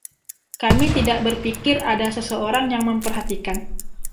Kami tidak berpikir ada seseorang yang memperhatikan.